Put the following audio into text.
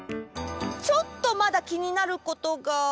ちょっとまだきになることが。